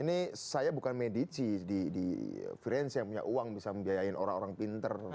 ini saya bukan medici di frience yang punya uang bisa membiayain orang orang pinter